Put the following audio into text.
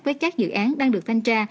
với các dự án đang được thanh tra